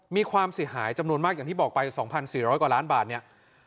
มีความเสียหายจำนวนมากอย่างที่บอกไป๒๔๐๐กว่าล้านบาทเนี่ย